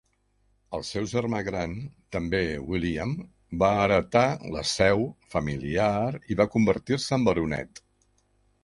El seu germà gran, també William va heretà la seu familiar i va convertir-se en baronet.